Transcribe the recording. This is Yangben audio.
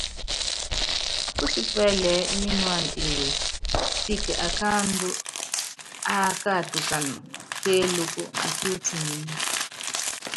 Pútipá ɛɛlɛɛ́ nyínúana ewe, siki akáandú ákatukana kéélúkú akí utiŋenée.